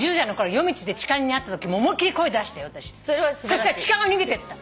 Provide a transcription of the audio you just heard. そしたら痴漢は逃げてった。